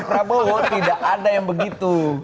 prabowo tidak ada yang begitu